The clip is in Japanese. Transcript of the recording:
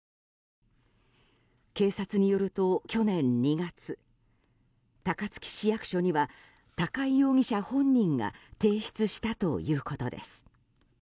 警察によると、去年２月高槻市役所には高井容疑者本人が提出したということです。